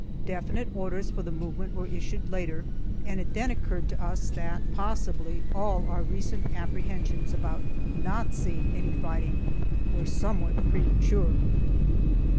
Definite orders for the movement were issued later, and it then occurred to us that possibly all our recent apprehensions about not seeing any fighting were somewhat premature.